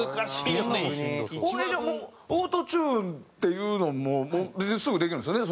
じゃあもうオートチューンっていうのも別にすぐできるんですよね？